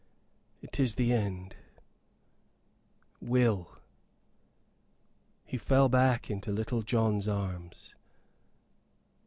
It is the end, Will " He fell back into Little John's arms.